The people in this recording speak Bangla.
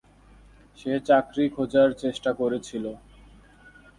সে চাকরি খোঁজার চেষ্টা করেছিল।